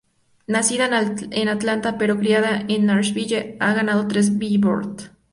Nacida en Atlanta, pero criada en Nashville, ha ganado tres Billboard.